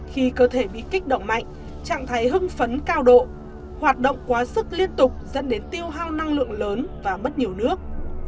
khi cơ thể bị kích động mạnh trạng thái hưng phấn cao độ hoạt động quá sức liên tục dẫn đến tiêu hao năng lượng lớn và mất nhiều nước